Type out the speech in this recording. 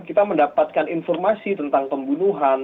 kita mendapatkan informasi tentang pembunuhan